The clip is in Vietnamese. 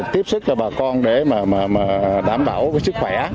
tiếp xúc cho bà con để đảm bảo sức khỏe